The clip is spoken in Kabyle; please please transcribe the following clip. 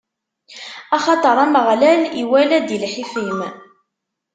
Axaṭer Ameɣlal iwala-d i lḥif-im.